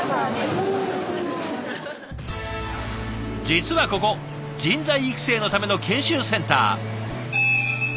実はここ人材育成のための研修センター。